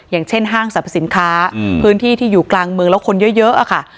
อย่างเช่นห้างสรรพสินค้าพื้นที่ที่อยู่กลางเมืองแล้วคนเยอะอะค่ะ